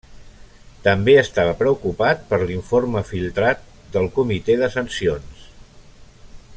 També estava preocupat per l'informe filtrat del Comitè de Sancions.